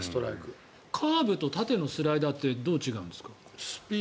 カーブと縦のスライダーってどう違うんですか。